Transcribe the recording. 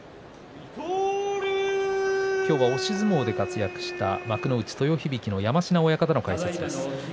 今日は押し相撲で活躍した幕内豊響の山科親方の解説です。